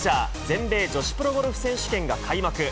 全米女子プロゴルフ選手権が開幕。